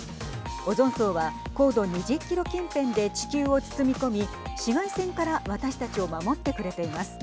オゾン層は高度２０キロ近辺で地球を包み込み紫外線から私たちを守ってくれています。